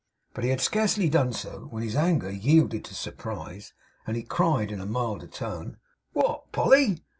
But he had scarcely done so, when his anger yielded to surprise, and he cried, in a milder tone: 'What! Polly!